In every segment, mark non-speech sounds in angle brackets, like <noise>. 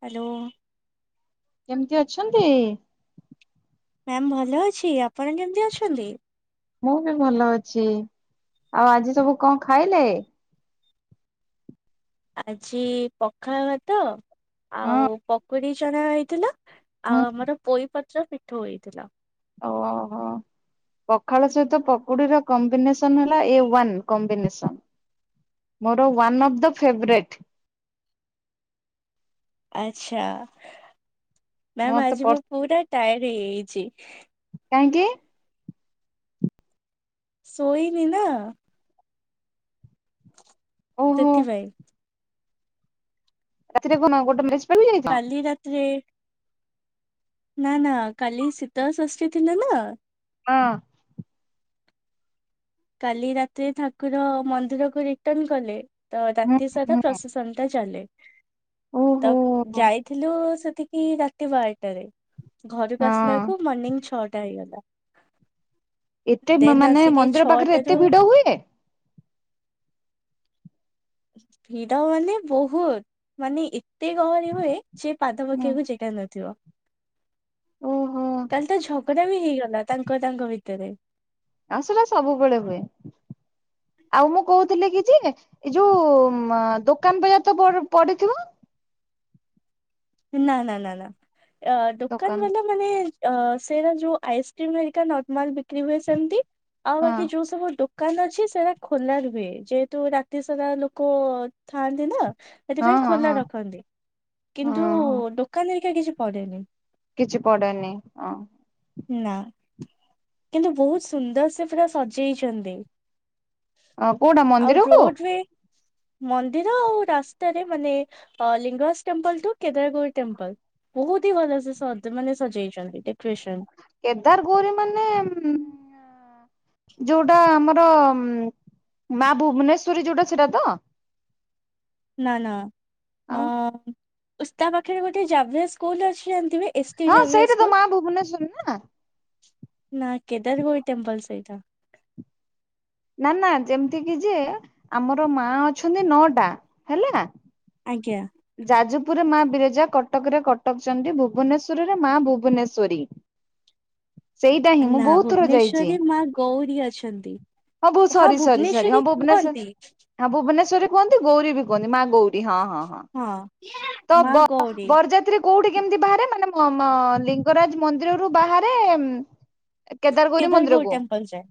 Hello. କେମିତି ଅଛନ୍ତି? Ma'am ଭଲ ଅଛି। ଆପଣ କେମିତି ଅଛନ୍ତି? ମୁଁ ବି ଭଲ ଅଛି। ଆଉ ଆଜି ସବୁ କଣ ଖାଇଲେ? ଆଜି ପଖାଳ ଭାତ ହଁ ଆଉ ପକୁଡି ଛଣା ହେଇଥିଲା ହୁଁ। ଆଉ ଆମର ପୋଇପତ୍ର ପିଠଉ ହେଇଥିଲା। ଓହୋଃ। ପଖାଳ ସହିତ ପକୁଡିର କମ୍ବିନେସନ ହେଲା ଏ ୱାନ କମ୍ବିନେସନ। ମୋର ୱାନ ଅଫ ଦ ଫେବରେଟ। ଆଚ୍ଛା, ମ୍ୟାାମ ମତେ ଆଜି ପ ମୁଁ ପୁରା ଟାୟାର୍ଡ ହେଇଯାଇଛି। କାହିଁକି? ଶୋଇନି ନା। ଓହୋ ସେଥିପାଇଁ। ରାତିରେ କଣ ଗୋଟେ ପାର୍ଟି ଯାଇଥିଲ? କାଲି ରାତିରେ। ନା ନା କାଲି ଶୀତଳ ଷଷ୍ଠୀ ଥିଲା ନା। ହଁ। କାଲି ରାତିରେ ଠାକୁର ମନ୍ଦିର କୁ ରିଟର୍ଣ କଲେ। ତ ହୁଁ ରାତି ସାରା ହୁଁ। ପ୍ରଶାସନ ଟା ଚାଲେ ତ ଓହୋ ହଁ ଯାଇଥିଲୁ ସେଠି। ରାତି ବାରଟାରେ ଘରକୁ ଆସିଲା ବଳକୁ ମର୍ଣ୍ଣିିଂ ଛଅଟା ହେଇଗଲା। ଏତେ ଦେନ୍ ମାନେ ଆସିକି ମନ୍ଦିର ପାଖରେ ଛଅଟାରୁ ଏତେ ଭିଡ ହୁଏ? ଭିଡ ମାନେ ବହୁତ ମାନେ ଏତେ ଗହଳି ହୁଏ। ସେ ପାଦ ହୁଁ ପକେଇବାକୁ ଜେଗା ନଥିବ। ଓହୋ କାଲି ତ ଝଗଡା ବି ହେଇଗଲା ତାଙ୍କ ତାଙ୍କ ଭିତରେ। ଆଉ ସେଟା ସବୁବେଳେ ହୁଏ ଆଉ ମୁଁ କହୁଥିଲି କି ଜେ ଏଇ ଯୋଉ ଦୋକାନ ବଜାର ତ ପଡିଥିବ। ନା ନା ନା ନା ଅ ଦୋକାନ ବା ମାନେ ଅ ସେଇଟ ଯୋଉ ଆଇସ୍କ୍ରିମ ହେକା ନର୍ମାଲ ବିକ୍ରି ହୁଏ ସେମିତି ଆଁ ହଁ ବାକି ଯଉ ସବୁ ଦୋକାନ ଅଛି ସେଟା ଖୋଲା ରୁହେ ଯେହେତୁ ରାତି ସାରା ଲୋକ ଥାଆନ୍ତି ନା ହଁ ସେଥିପାଇଁ ହଁ ଖୋଲା ହଁ ରଖନ୍ତି। କିନ୍ତୁ ହଁ ହଁ ଦୋକାନ ହେରିକା କିଛି ପଡେନି। କିଛି ପଡେନି ହ। ନା। କିନ୍ତୁ ବହୁତ ସୁନ୍ଦର ସେ ପୁରା ସଜେଇଛନ୍ତି। କୋଉଟା ଆଉ ମନ୍ଦିରକୁ ରୋଜ ରେ ମନ୍ଦିର ଆଉ ରାସ୍ତାରେ ମାନେ ଅ ଲିଙ୍ଗରାଜ ଟେମ୍ପଲୁ ଠୁ କେଦାରଗୋଭରୀ ଟେମ୍ପଲ ବହୁତ ହି ଭଲ ସେ ମାନେ ସଜେଇଛନ୍ତି ଡେକୋରେସନ। କେଦାର ଗୌରି ମାନେ ଯୋଉଟା ଆମର ଉ ମା ଭୁବନେଶ୍ଵରୀ ଯୋଉଟା ସେଟା ତ? ନା ନା ଅ ଆଉ ଉସ୍ତା ତା ପାଖରେ ଗୋଟେ ଜାଭିଅର ସ୍କୁଲ ଅଛି ଯାଣିଥିବ? ହଁ ସେଇଠା ତ ମା ଭୁବନେଶ୍ଵର ନା ନା କେଦାର ଗୌଡ଼ ଟେମ୍ପଲ ସେଇଟା। ନା ନା ଯେମିତି କିି ଯେ ଆମର ମା ଅଛନ୍ତି ନଅଟା ହେଲା। ଆଜ୍ଞା। ଯାଜପୁରରେ ମା ବିରଜା କଟକ ରେ କଟକଚଣ୍ଡୀ ଭୁବନେଶ୍ଵର ରେ ମା ଭୁବନେଶ୍ଵରୀ। ସେଇଟା ହିଁ ମୁଁ ନା ବହୁତ ଥର ଯାଇଛି ଭୁବନେଶ୍ଵରେ ମା ଗୌରୀ ଅଛନ୍ତି। ହଁ ବୋ ସରି ସରି ସରି ହଁ ଭୁବନେଶ୍ଵରୀ କୁହନ୍ତି ଭୁବନେଶ୍ଵର ହଁ ଭୁବନେଶ୍ରରେ କୁହନ୍ତି ଗୌରୀ ବି କୁହନ୍ତି ମା ଗୌରୀ ହଁ ହଁ। ହଁ ତ ମା ବ ଗୌରୀ। ବରଯାତ୍ରୀ କୋଉଠି କେମିତି ବାହାରେ ମାନେ ମ ମ ଲିଙ୍ଗରାଜ ମନ୍ଦିରରୁୁ ବାହାରେ କେଦାରଗୌରୀ ମନ୍ଦିରକୁ ଟେମ୍ପଲ ଯାଏ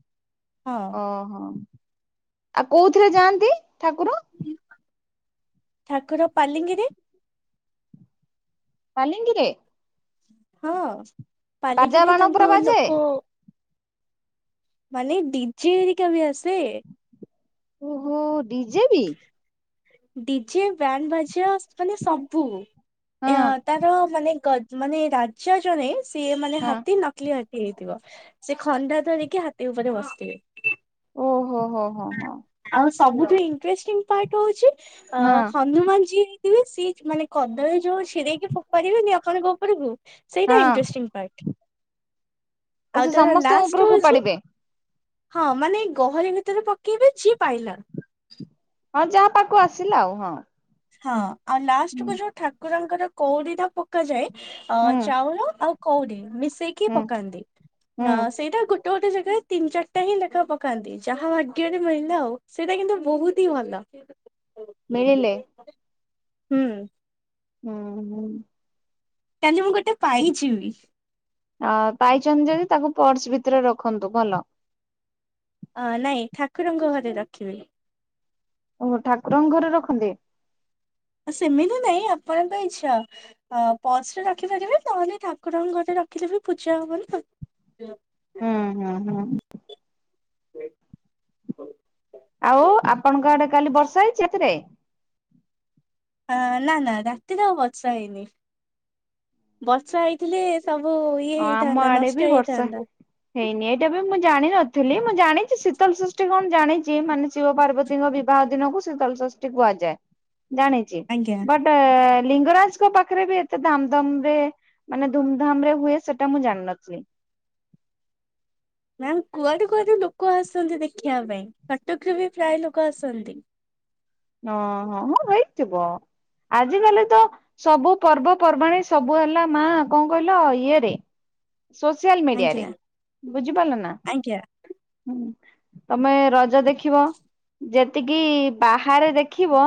ହଁ। ଓହୋ। ଆଉ କୋଉଥିରେ ଯାଆନ୍ତି ଠାକୁର? ଠାକୁର ପାଲିଙ୍କିରେ। ପାଲିଙ୍କିରେ ହଁ ବାଜା ପାଲିକିରେ ବାଣ ପୁରା ତାଙ୍କୁ ବାଜେ ଲୋକ ମାନେ ଡିଜେହେରିକା ବି ଆସେ। ଓହୋ ଡିଜେ କି? ଡିଜେ ବ୍ୟାଣ୍ଡ ବାଜଆ ମାନେ ସବୁ ହଁ ତାର ମାନେ ଗ ମାନେ ରାଜା ଜଣେ ସିଏ ମାନେ ହଁ ହାତୀ ନକଲି ହେଇଥିବ ସେ ଖଣ୍ଡା ଧରିକି ହାତୀ ଉପରେ ବସିଥିବେ। ଓହୋ ହୋ ହୋ ହଁ। ଆଉ ସବୁଠୁ ଇଣ୍ଟରେଷ୍ଟିଂ ପାର୍ଟ ହଉଚି ଅ ହଁ ହନୁମାନ ଯୀ ସି ମାନେ କଦଳୀ ଯୋଉ ଚିଡ଼େଇକି ଫୋପାଡ଼ି ବେନି ଆପଣଙ୍କ ଉପରକୁ ସେଇଟା ହଁ ଇଣ୍ଟଷ୍ ପାର୍ଟ ଓ ସେ ଆଉ ତାର ସମସ୍ତଙ୍କ ଲାଷ୍ଟ ଉପରକୁ ହଉଚି ଫୋପାଡିବେ ହଁ ମାନେ ଏଇ ଗହଳି ଭିତରେ ପକେଇବେ ଯିଏ ପାଇଲା। ହଁ ଯାହା ପାଖକୁ ଆସିଲା ଆଉ ହଁ। ହଁ ଆଉ ଲାଷ୍ଟକୁ ଯୋଉ ଠାକୁରଙ୍କର କଉଡ଼ିଟା ପକାଯାଏ ଅ ହୁଁ ଚାଉଳ ଆଉ କୋଉଡ଼ି ମିଶେଇକି ହୁଁ ପକାନ୍ତି। ହୁଁ ହଁ ସେଇଟା ଗୋଟେ ଗୋଟେ ଜାଗାରେ ତିନି ଚାରିଟା ହିଁ ଲେଖା ପକାନ୍ତି ଯାହା ଭାଗ୍ୟରେ ମଳିଲା ଆଉ। ସେଇଟା କିନ୍ତୁ ବହୁତହିଁ ଭଲ। ମିଳିଲେ? ହୁଁ। ଉଁ -ହୁଁ। କାଲି ମୁଁ ଗୋଟେ ପାଇଚିବି। ଅ -ପାଇଚନ୍ତି ଯଦି ତାକୁ ପର୍ସ ଭିତରେ ରଖନ୍ତୁ ଭଲ। ଅ- ନାଇଁ ଠାକୁରଙ୍କ ଘରେ ରଖିବି। ଓହୋ ଠାକୁରଙ୍କ ଘରେ ରଖନ୍ତି? ସେମିତି ନାଇଁ ଆପଣଙ୍କ ଇଚ୍ଛା। ଅ-ପର୍ସରେ ରଖିପାରିବେ ନହେଲେ ଠାକୁରଙ୍କ ଘରେ ରଖିଲେବି ପୂଜା ହବନା ସେ ହୁଁ -ହୁଁ- ହୁଁ। ଆଉ ଆପଣଙ୍କ ଆଡ଼େ କାଲି ବର୍ଷା ହେଇଚି ରାତିରେ? ଆ-ନା -ନା ରାତିରେ ଆଉ ବର୍ଷା ହେଇନି ବର୍ଷା ହେଇଥିଲେ ସବୁ ଇଏ ହଁ ଆମ ହେଇଥାନ୍ତା ଆଡେ ବି ନଷ୍ଟ ବର୍ଷା ହେଇଥାନ୍ତା। ହେଇନି ଏଇଟାବି ମୁଁ ଜାଣିିନଥିଲି ମୁଁ ଜାଣିଚି ଶୀତଲ୍ ଷଷ୍ଟି କଣ ଜାଣିଚି ମାନେ ଶିବ ପାର୍ବତୀଙ୍କ ବିବାହ ଦିନକୁ ଶୀତଳଷଷ୍ଠୀ କୁହାଯାଏ ଜାଣିଚି ଆଜ୍ଞା ବଟ୍ ଲିଙ୍ଗରାଜଙ୍କ ପାଖରେବି ଏତେ ଧାମ୍ ଧମ୍ ରେ ମାନେ ଧୁମ୍ ଧାମ୍ ରେ ହୁଏ ସେଟା ମୁଁ ଜାଣିନଥିଲି। ମ୍ୟାମ୍ କୁଆଡ଼େ କୁଆଡ଼େ ଲୋକ ଆସନ୍ତି ଦେଖିବା ପାଇଁ କଟକରୁବି ପ୍ରାୟ ଲୋକ ଆସନ୍ତି। ଓ -ହୋ ହଁ ହେଇଥିବ ଆଜିକାଲି ତ ସବୁ ପର୍ବ ପର୍ବାଣି ସବୁ ହେଲା ମା କଁ କଇଁଲ ଇଏରେ ସୋସିଆଲ୍ ମିଡ଼ିଆରେ ଆଜ୍ଞା ବୁଝିପାରିଲ ନା? ଆଜ୍ଞା ହୁଁ- ତମେ ରଜ ଦେଖିବ ଯେତିକି ବା ହାରେ ଦେଖିବ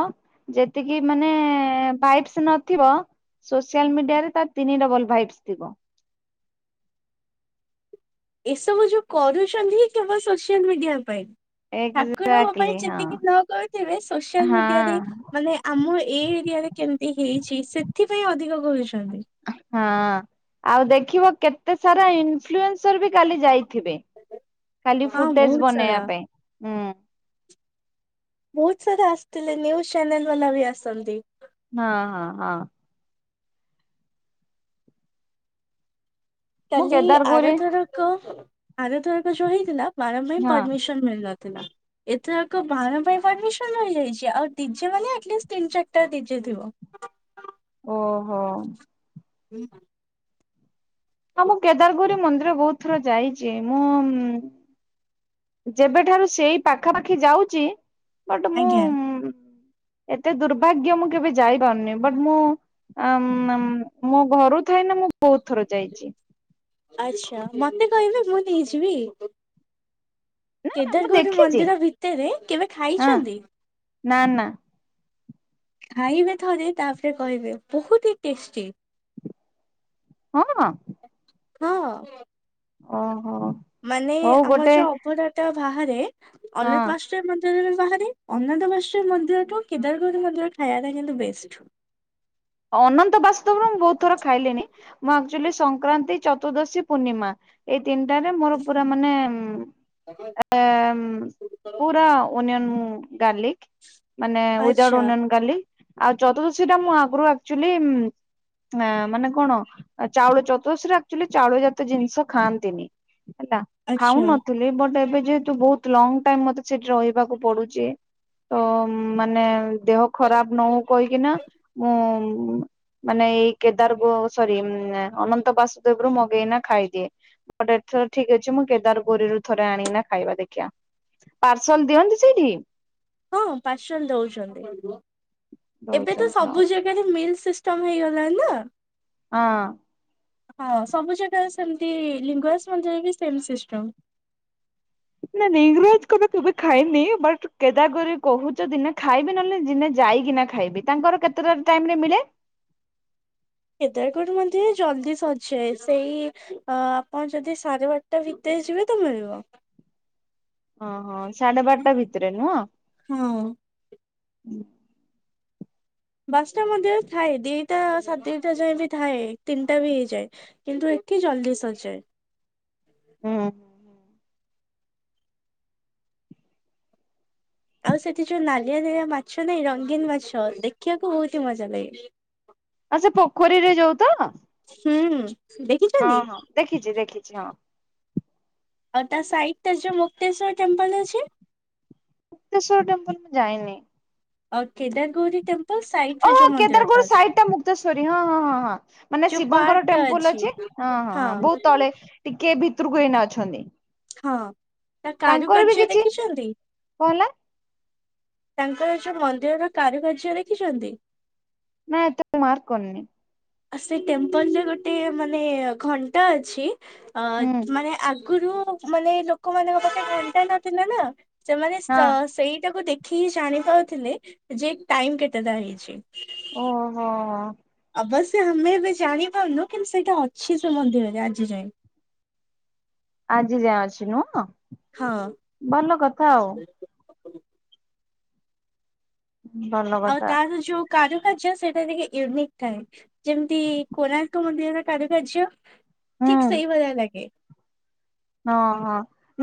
ଯେତିକି ମାନେ ବାଇଟ୍ସ୍ ନଥିବ ସୋସିଆଲ୍ ମିଡ଼ିଆରେ ତାର୍ ତିନି ଡବଲ୍ ଭାଇବ୍ସ୍ ଥିବ। ଏସବୁ ଯଉ କରୁଚନ୍ତି କେବଳ ସୋସିଆଲ୍ ମିଡ଼ିଆ ପାଇଁ। ଠାକୁରଙ୍କ ପାଇଁ ଏକ୍ଜାକ୍ଟଲି ହଁ। ଯେତିକି ନ କରୁଥିବେ ସୋସିଆଲ୍ ହଁ ମିଡ଼ିଆରେ ମାନେ ଆମ ଏଇ ଏରିଆରେ କେମିତି ହେଇଚି ସେଥିପାଇଁ ଅଧିକ କରୁଛନ୍ତି। ହୁଁ। ଆଉ ଦେଖିବ କେତେ ସାରା ଇନଫ୍ଲୁଏନ୍ସରବି କାଲି ଯାଇଥିବେ। ଖାଲି ହଁ ଫୁଟେଜ୍ ବହୁତ ବନେଇବା ସାରା ପାଇଁ ହୁଁ। ବହୁତ୍ ସାରା ଆସିଥିଲେ ନ୍ୟୁଜ୍ ଚ୍ୟାନେଲ୍ ବାଲାବି ଆସନ୍ତି। ହଁ -ହଁ -ହଁ। ମୁଁ କାଲି ଆର କେଦାରଗୌରୀ ଥରକ -ଆର ଥରକ ଯଉ ହେଇଥିଲା ବାଣ ପାଇଁ ହଁ ପର୍ମିଶ୍ ମିଳିନଥିଲା। ଏଥରକ ବାଣ ପାଇଁ ପର୍ମିଶନ୍ ମିଳିଯାଇଚି। ଆଉ ଡିଜେ ମାନେ ଆଟ୍ ଲିଷ୍ଟ୍ ତିନି ଚାରିଟା ଡିଜେ ଥିବ। ଓହୋ। <unintelligible> ହଁ ମୁଁ କେଦାରଗୌରୀ ମନ୍ଦିର ବହୁତ ଥର ଯାଇଚି ମୁଁ ଯେବେଠାରୁ ସେଇ ପାଖାପାଖି ଯାଉଚି ବଟ୍ ମୁଁ ଆଜ୍ଞା। ଏତେ ଦୁର୍ଭାଗ୍ୟ ମୁଁ କେବେ ଯାଇପାରୁନି ବଟ୍ ମୁଁ ଆ-ମ୍-ଆମ୍- ମୋ ଘରୁ ଥାଏ ନା ମୁଁ ବହୁତ୍ ଥର ଯାଇଚି। ଆଚ୍ଛା ମତେ କହିବେ ମୁଁ ନେଇଯିବି। ନା ନା ମୁଁ କେଦାରଗୌରୀ ଦେଖିଛି ମନ୍ଦିର ଭିତରେ କେବେ ହଁ ଖାଇଚନ୍ତି? ନା ନା। ଖାଇବେ ଥରେ ତାପରେ କହିବେ ବହୁତ ହି ଟେଷ୍ଟି। ହଁ। ହଁ। ଓହୋ। ମାନେ ହଉ ଆମର ଗୋଟେ ଯଉ ଅଭଡା ଟା ବାହାରେ ହଁ ଅନେକ୍ ମାସ୍ ଟ ମନ୍ଦିରରେ ବାହାରି ଅନନ୍ଦବାଷ୍ଟ୍ର ମନ୍ଦିରଠୁ କେଦାରଗୌରୀ ମନ୍ଦିର ଖାଇବା ଟା କିନ୍ତୁ ବେଷ୍ଟ୍। ଅନନ୍ତ ବାସୁଦେବରେ ମୁଁ ବହୁତ ଥର ଖାଇଲିଣି। ମୁଁ ଆକ୍ଚୁଆଲି ସଂକ୍ରାନ୍ତି, ଚତୁର୍ଦଶୀ, ପୂର୍ଣ୍ଣିମା ଏଇ ତିନିଟାରେ ମୋର ପୁରା ମାନେ ଏ ପୁରା ଓନିଅନ ଗାର୍ଲିକ। ମାନେ ୱିତ୍ ଆଉଟ୍ ଆଚ୍ଛା। ଓନିଅନ ଗାର୍ଲିକ ଆଉ ଚତୁର୍ଦ୍ଦଶୀ ଟା ମୁଁ ଆଗରୁ ଏକଚଲି ଆ ମାନେ କଣ ଚାଉଳ ଚତୁର୍ଶୀରେ ଆକ୍ଚୁଆଲି ଚାଉଳ ଜାତୀୟ ଜିନିଷ ଖାଆନ୍ତିନି। ହେଲା ଆଚ୍ଛା। ଖାଉନଥିଲି ବଟ ଏବେ ଯେହେତୁ ବହୁତ ଲଙ୍ଗ ଟାଇମ ମତେ ସେଠି ରହିବାକୁ ପଡୁଚି। ଅ ମାନେ ଦେହ ଖରାପ ନ ହଉ କହିକିନା ମୁଁ ଉଁ ମାନେ ଏଇ କେଦାରଗ ସରି ଅନନ୍ତ ବାସୁଦେବରୁୁ ମଗେଇକିନା ଖାଇଦିଏ। ଗୋଟେ ଏଥର ଠିକ ଅଛି ମୁଁ କେଦାର ଗୋଉରିରୁ ଥରେ ଆଣିକିନା ଖାଇବା ଦେଖିବା। ପାର୍ସଲ ଦିଅନ୍ତି ସେଇଠି? ହଁ ପାରଶଲ ଦଉଚନ୍ତି ଏବେ ତ ଦଉଛନ୍ତି ହଁ ସବୁ ଜାଗ ସେଟା ଯୋଉ ମିଲ୍ ସିଷ୍ଟମ ହେଇଗଲାଣି ନା। ହଁ। ହଁ ସବୁ ଜାଗାରେ ସେମତି, ଲିଙ୍ଗରାଜ ମନ୍ଦିରରେ ବି ସେମ୍ ସିଷ୍ଟମ୍। ନାଇଁ ଲିଂଗରାଜ ଙ୍କର୍ ତ କେବେ ଖାଇନି। ବଟ କେଦାରଗରି କହୁଚ ଦିନେ ଖାଇବି ନଲେ ଦିନେ ଯାଇକିନା ଖା ଖାଇବି ତାଙ୍କର କେତେଟା ଟାଇମ ରେ ମିଳେ? କେଦରଗୌରୀ ମନ୍ଦିରେ ଜଲ୍ଦି ସରଜାଏ ସେଇ ଅ ଆପଣ ଯଦି ସାରେ ବା ଟା ଭିତରେ ଯିବେ ତ ମିଳିବ। ହଁ ହଁ ସାଢେ ବାରଟା ଭିତରେ ନୁହଁ। ହଁ। ହୁଁ। ବାସଟା ମନ୍ଦିରେ ଥାଏ। ଦିଟା ସାଡେ ଦିଟା ଯାଏଁ ବି ଥାଏ ତିନିଟା ବି ହେଇଯାଏ। କିନ୍ତୁ ଏଠି ଜଲ୍ଦି ସରିଯାଏ। ହୁଁ। ଆଉ ସେଠି ଯୋଉ ନାଲିଆ ନେଳିଆ ମାଛ ନାଇଁ ରଙ୍ଗୀନ ମାଛ ଦେଖିବାକୁ ବହୁତ ହି ମଜା ଲାଗେ। ଆଉ ସେ ପୋଖରୀରେ ଯୋଉ ତ? ହୁଁ। ହୁଁ। ହଁ ହଁ ଦେଖିଛି ଦେଖିଛି ହଁ। ଆଉ ତା ସାଇଟ ଟା ଯୋଉ ମୁକ୍ତେଶ୍ଵର ଟେମ୍ପଲ ଅଛି। ମୁକ୍ତେଶ୍ୱର ଟେମ୍ପଲୁ ମୁଁ ଯାଇନି। ଆଉ କେଦାର ଗୌରି ଟେମ୍ପ ଓ ହୋ କେଦାରଗୌରୀ ସାଇଟ ଟା ମୁକ୍ତେଶ୍ଵରୀ ହଁ ହଁ ହଁ ହଁ ମାନେ ଯୋଉ ପାର୍କ ଶିବଙ୍କର ଟା ଟେମ୍ପଲ ଅଛି। ହଁ ହଁ ହଁ ବହୁତ ତଳେ ଟିକେ ଭିତରକୁ ଏଇନା ଅଛନ୍ତି। ହଁ ତା କାରୁ ତାଙ୍କର ବି କାର୍ଯ୍ୟ କିଛି ଦେଖିଛନ୍ତି। କଣ ହେଲା ତାଙ୍କର ଏ ଯୋଉ ମନ୍ଦିର ର କାରୁକାର୍ଯ୍ୟ ଦେଖିଛନ୍ତି। ନା ଏତେ ମୁଁ ମାର୍କ କରିନି। ଆ ସେଇ ଟେମ୍ପଲ ରେ ଗୋଟେ ମାନେ ଘଣ୍ଟା ଅଛି। ଆ ହୁଁ ମାନେ ଆଗରୁ ମାନେ ଲୋକମାନଙ୍କ ପାଖେ ଘଣ୍ଟା ନଥିଲା ନା। ସେମାନେ ହଁ। ସ ସେଇଟାକୁ ଦେଖିକି ଜାଣି ପାରୁଥିଲେ ଯେ ଟାଇମ କେତେଟା ହେଇଛି। ଓ ହୋ ହ। ଅବଶ୍ୟ ଆମେ ଏବେ ଜାଣିପାରୁନୁ କିନ୍ତୁ ସେଇଟା ଅଛି ସେ ମନ୍ଦିରରେ ଆଜି ଯାଏଁ। ଆଜି ଯାଏଁ ଅଛି ନୁହଁ ଭଲ କଥା ଆଉ। ହଁ। ଭଲ ଆଉ କଥା ତାର ଯୋଉ କାରୁକାର୍ଯ୍ୟ ସେଇଟା ଟିକେ ୟୁନିକ୍ ଥାଏ ଯେମିତି କୋଣାର୍କ ମନ୍ଦିରର। କାରୁକାର୍ଯ୍ୟ ହୁଁ ଠିକ ସେଇ ଭଳିଆ ଲାଗେ। ଓ ହଁ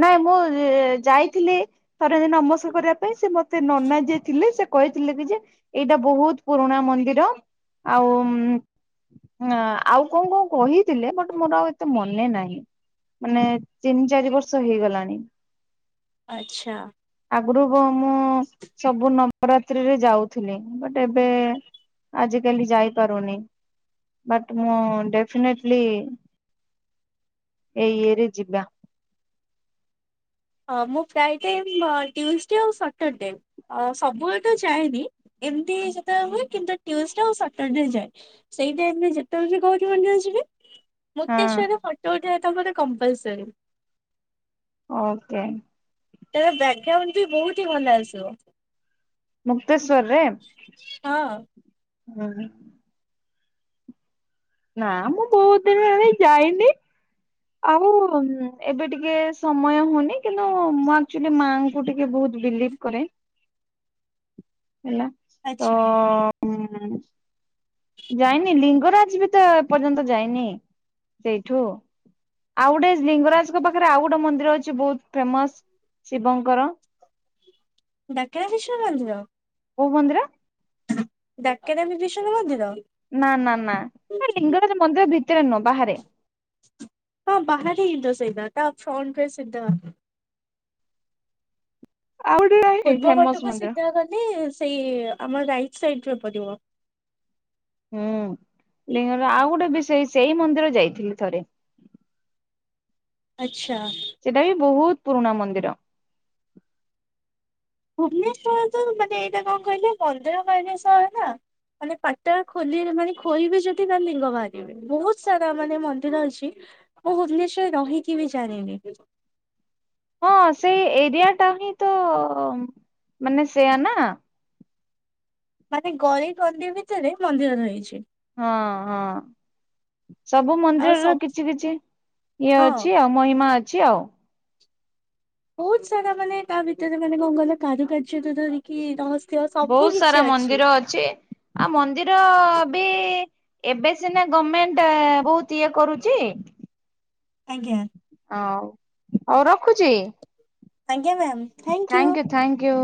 ନାଇଁ ମୁଁ ଉ ଯାଇଥିଲି। ଥରେ ଜେ ନମସ୍ କରିବା ପାଇଁ ସେ ମତେ ନନା ଯିଏ ଥିଲେ ସେ କହିଥିଲେ କି ଯେ। ଏଇଟା ବହୁତ ପୁରୁଣା ମନ୍ଦିର ଆଉ। ଉଁ ଆଉ କଁ କଁ କହିଥିଲେ ବଟ ମୋର ଆଉ ଏତେ ମନେ ନାହିଁ ମାନେ। ତିନି ଚାରି ବର୍ଷ ହେଇଗଲାଣି। ଆଚ୍ଛା। ଆଗରୁ କଁ ମୁଁ ସବୁ ନବରାତ୍ରିରେ ଯାଉଥିଲି ବଟ୍ ଏବେ। ଆଜିକାଲି ଯାଇପାରୁନି। ବଟ୍ ମୁଁ ଡେଫିନେଟଲି ଏଇ ଇଏରେ ଯିବା। ହଁ ମୁଁ ପ୍ରାଏ ଟାଇମ୍ ଆଁ ଟ୍ୟୁଯ ଡେ ଆଉ ସାଟର୍ ଡେ। ଅ ସବୁେବେଳ ତ ଯାଏନି ଏମିତି ଯେତେବେଳେ ହୁଏ କିନ୍ତୁ ଟ୍ୟୁଜଡେ ଆଉ ସାଟରଡେ ଯାଏ। ସେଇ ଟାଇମ୍ ରେ ଯେତେବେଳେ ଯିଏ କହୁଛି ମନେ ଆସିବେ। ହଁ ମୂକ୍ତଶ୍ୱରରେ ଫଟୋ ଉଠେଇବାଟା ମୋର କମ୍ପଲସରୀ। ଓକେ। ତାର ବ୍ୟାକଗ୍ରାଉଣ୍ଡ ବି ବହୁତ ହି ଭଲ ଆସିବ। ମୁକ୍ତେଶ୍ଵରରେ ହଁ ଉଁ ହୁଁ। ନା ମୁଁ ବହୁତ ଦିନ ହେଲାଣି ଯାଇନି। ଆଉ ଏବେ ଟିକେ ସମୟ ହଉନି କିନ୍ତୁ ମୁଁ ଆକ୍ଚୁଲି ମାଙ୍କୁ। ମୁଁ ଟିକେ ବହୁତ ବିଲିଭ୍ କରେ ହେଲା ତ। ଆଚ୍ଛା। ଉଁ। ଯାଇନି ଲିଙ୍ଗରାଜ ବି ତ ଏ ପର୍ଯ୍ୟନ୍ତ ଯାଇନି ସେଇଠୁ। ଆଉ ଗୋଟେ ଲିଙ୍ଗରାଜଙ୍କ ପାଖରେ ଆଉ ଗୋଟେ ମନ୍ଦିର ଅଛି ବହୁତ ଫେମସ୍ ଶିବଙ୍କର। ଡାକେରା ଶିଶୁ ମନ୍ଦିର। କୋଉ ମନ୍ଦିର। ଡାକେରାମି ବିଶ୍ବ ମନ୍ଦିର। ନା ନା ନା ଏ ଲିଙ୍ଗରାଜ ମନ୍ଦିର ଭିତରେ ନୁହଁ ବାହାରେ। ହଁ ବାହାରେ ହିଁ ତ ସେଇଟା ତା ଫ୍ରନ୍ଟରେ ସେଟା। ଆଉ ଗୋଟିଏ। ପୂର୍ବପଟକୁ ସିଧା ଗଲେ ସେଇ ଆମର ରାଇଟ୍ ସାଇଡ୍ ରେ ପଡି଼ବ। ହୁଁ ଲିଙ୍ଗର ଆଉ ଗୋଟେ ବିଷୟ ସେଇ ମନ୍ଦିର ଯାଇଥିଲୁ ଥରେ। ଆଚ୍ଛା। ସେଟା ବି ବହୁତ ପୁରୁଣା ମନ୍ଦିର। ଭୁବନେଶ୍ବରରେ ତ ମାନେ ଏଇଟା କଣ କହିଲେ ମନ୍ଦାର ମାଳିନୀ ସହର ନା। ମାନେ ପାଟା ଖୋଲିରେ ମାନେ ଖୋଇବେ ଯଦି ତା ଲିଙ୍ଗ ବାହାରିବେ। ବହୁତ ସାରା ମାନେ ମନ୍ଦିର ଅଛି। ମୁଁ ଭୁବନେଶ୍ଵରରେ ରହିକି ବି ଜାଣିନି। ହଁ ସେଇ ଏରିଆ ଟା ହିଁ ତ ମାନେ ସେୟା ନା। ମାନେ ଗରି କନ୍ଦି ଭିତରେ ମନ୍ଦିର ରହିଛି। ହଁ ହଁ। ସବୁ ଆଉ ମନ୍ଦିରର ସବ କିଛି କିଛି ଇଏ ହଁ ଅଛି। ଆଉ ମହିମା ଅଛି ଆଉ। ବହୁତ ସାରା ମାନେ ତା ଭିତରେ ମାନେ କଣ କହିଲ କାରୁୁକାର୍ଯ୍ୟ ତ ଧରିକି ରହସ ବହୁତ ସାରା ମନ୍ଦିର ଅଛି। ଆଉ ମନ୍ଦିର ବି ଏବେ ସିନା ଗମେଣ୍ଟ ଏ ବହୁତ ଇଏ କରୁଛି। ଆଜ୍ଞା। ହଉ ହଉ ରଖୁଛି। ଆଜ୍ଞା ma'am. Thank you thank you.